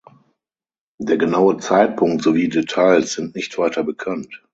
Der genaue Zeitpunkt sowie Details sind nicht weiter bekannt.